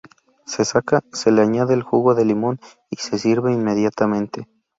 Se saca, se le añade el jugo de limón y se sirve inmediatamente.